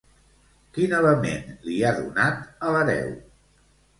Quin element li ha donat a l'hereu?